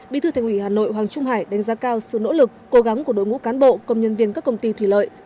bí thư thành ủy hà nội hoàng trung hải đánh giá cao sự nỗ lực cố gắng của đội ngũ cán bộ công nhân viên các công ty thủy lợi